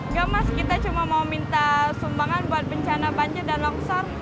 nggak mas kita cuma mau minta sumbangan buat bencana banjir dan longsor